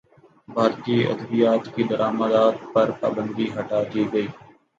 بھارتی ادویات کی درمدات پر پابندی ہٹادی گئی